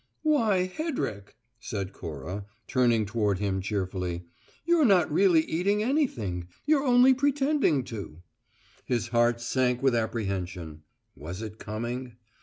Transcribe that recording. "Why, Hedrick," said Cora, turning toward him cheerfully, "you're not really eating anything; you're only pretending to." His heart sank with apprehension. Was it coming?